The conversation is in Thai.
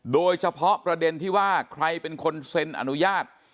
โดยเฉพาะประเด็นที่ว่าใครเป็นคนเซ็นอนุญาต